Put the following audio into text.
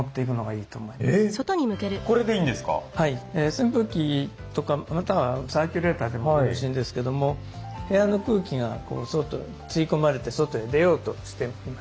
扇風機とかまたはサーキュレーターでもよろしいんですけども部屋の空気が吸い込まれて外へ出ようとしていますね。